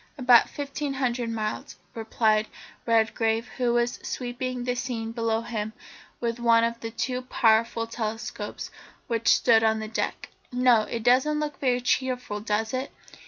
"About fifteen hundred miles," replied Redgrave, who was sweeping the scene below him with one of the two powerful telescopes which stood on the deck. "No, it doesn't look very cheerful, does it?